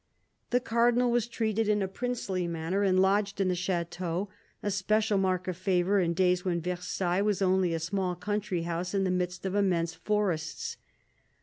The Cardinal was treated in a princely manner and lodged in the chateau, a special mark of favour in days when Versailles was only a small country house in the midst of immense forests.